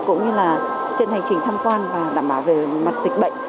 cũng như trên hành trình thăm quan và đảm bảo về mặt dịch bệnh